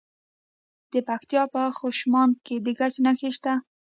د پکتیکا په خوشامند کې د ګچ نښې شته.